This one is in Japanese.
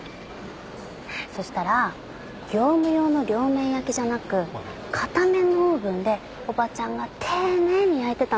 そしたら業務用の両面焼きじゃなく片面のオーブンでおばちゃんが丁寧に焼いてたの。